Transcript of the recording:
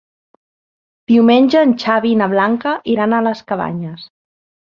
Diumenge en Xavi i na Blanca iran a les Cabanyes.